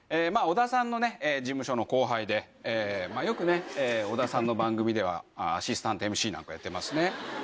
織田さんの事務所の後輩でよく織田さんの番組ではアシスタントＭＣなんかやってますね。